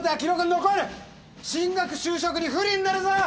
進学就職に不利になるぞ！